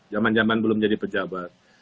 zaman zaman belum jadi pejabat